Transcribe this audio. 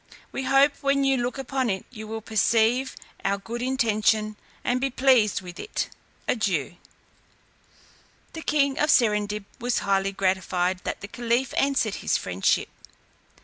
We hope when you look upon it, you will perceive our good intention and be pleased with it. Adieu." The king of Serendib was highly gratified that the caliph answered his friendship.